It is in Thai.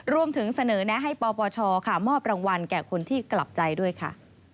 รวมถึงเสนอแนะให้ปปชมอบรางวัลแก่คนที่กลับใจด้วยค่ะ